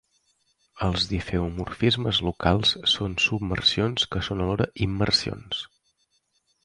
Els difeomorfismes locals són submersions que són alhora immersions.